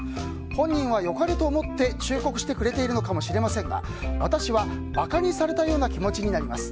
本人は良かれと思って忠告してくれているのかもしれませんが私は馬鹿にされたような気持ちになります。